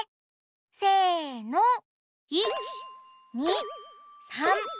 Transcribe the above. せの１２３４。